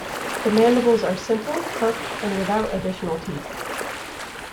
The mandibles are simple, hooked, and without additional teeth.